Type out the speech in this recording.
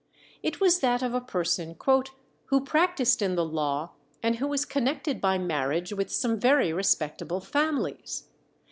It was that of a person "who practised in the law, and who was connected by marriage with some very respectable families.